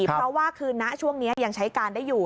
เพราะว่าคือณช่วงนี้ยังใช้การได้อยู่